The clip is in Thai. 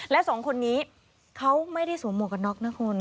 และสองคนนี้เขาไม่ได้สวมหมวกกันน็อกนะคุณ